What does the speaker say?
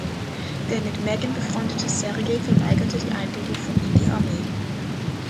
Der mit Megan befreundete Serge verweigert die Einberufung in die Armee.